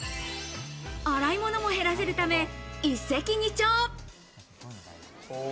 洗い物も減らせるため一石二鳥。